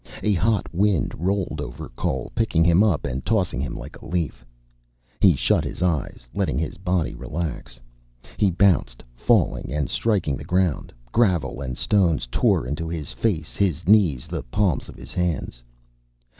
A hot wind rolled over Cole, picking him up and tossing him like a leaf. He shut his eyes, letting his body relax. He bounced, falling and striking the ground. Gravel and stones tore into his face, his knees, the palms of his hands.